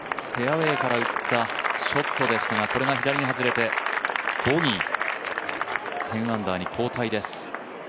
フェアウエーから打ったショットでしたがこれが左に外れてボギー、１０アンダーに後退です。